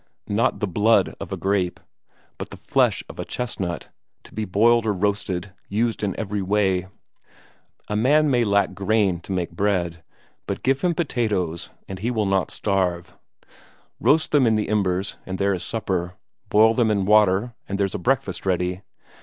Not the blood of a grape, but the flesh of a chestnut, to be boiled or roasted, used in every way. A man may lack corn to make bread, but give him potatoes and he will not starve. Roast them in the embers, and there is supper; boil them in water, and there's a breakfast ready.